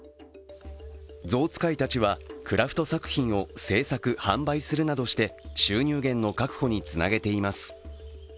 ゾウ使いたちは、クラフト作品を制作・販売するなどして収入源の確保につなげています。